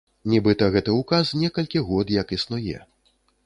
Нібыта гэты ўказ некалькі год як існуе.